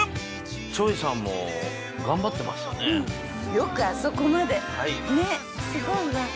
よくあそこまで。